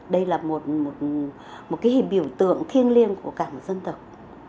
đây là một cái hình biểu tượng thiêng liêng của cả một dân tộc